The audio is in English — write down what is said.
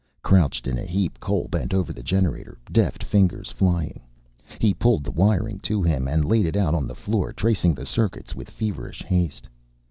Crouched in a heap, Cole bent over the generator, deft fingers flying. He pulled the wiring to him and laid it out on the floor, tracing the circuits with feverish haste.